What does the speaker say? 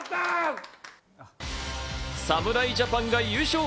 侍ジャパンが優勝！